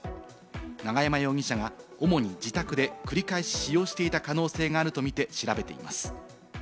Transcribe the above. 永山容疑者が主に自宅で繰り返し使用していた可能性があるとみて調べています。